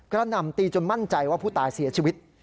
หน่ำตีจนมั่นใจว่าผู้ตายเสียชีวิต